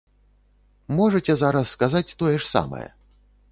Можаце зараз сказаць тое ж самае?